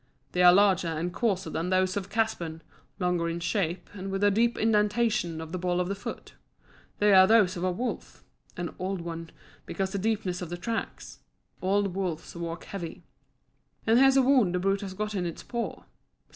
"They are larger and coarser than those of Caspan, longer in shape, and with a deep indentation of the ball of the foot. They are those of a wolf an old one, because of the deepness of the tracks. Old wolves walk heavy. And here's a wound the brute has got in its paw.